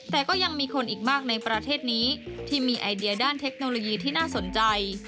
แต่ก็ยังมีคนอีกมากในประเทศนี้ที่มีไอเดียด้านเทคโนโลยีที่น่าสนใจ